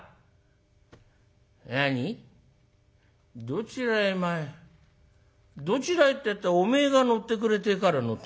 どちらへ参るどちらへってえってお前が乗ってくれってえから乗ったの。